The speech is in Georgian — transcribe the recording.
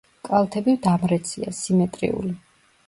კალთები დამრეცია, სიმეტრიული.